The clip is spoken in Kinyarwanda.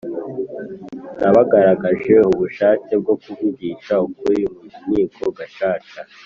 n abagaragaje ubushake bwo kuvugisha ukuri mu nkiko Gacaca